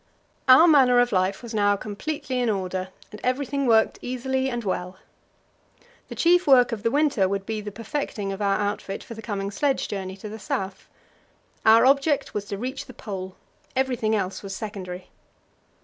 Our manner of life was now completely in order, and everything worked easily and well. The chief work of the winter would be the perfecting of our outfit for the coming sledge journey to the South. Our object was to reach the Pole everything else was secondary.